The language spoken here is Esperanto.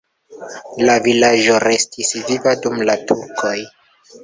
La vilaĝo restis viva dum la turkoj.